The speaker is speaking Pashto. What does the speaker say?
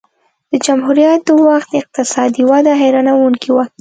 د جمهوریت د وخت اقتصادي وده حیرانوونکې وه